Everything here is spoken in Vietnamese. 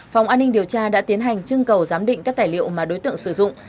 phòng an ninh điều tra đã tiến hành trưng cầu giám định các tài liệu mà đối tượng sử dụng